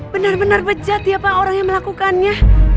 benar benar pejat ya pak orang yang melakukannya